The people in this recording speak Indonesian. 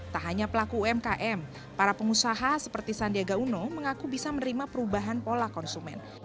tak hanya pelaku umkm para pengusaha seperti sandiaga uno mengaku bisa menerima perubahan pola konsumen